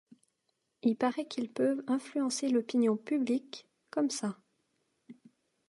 Y paraît qu’ils peuvent influencer l’opinion publique, comme ça.